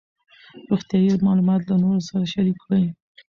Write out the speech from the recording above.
روغتیایي معلومات له نورو سره شریک کړئ.